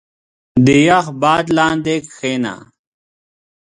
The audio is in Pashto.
• د یخ باد لاندې کښېنه.